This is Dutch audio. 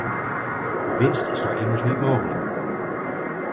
Winst is daar immers niet mogelijk.